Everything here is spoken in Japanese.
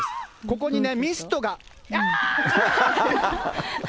ここにね、ミストが。